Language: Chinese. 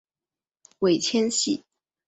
尾纤细。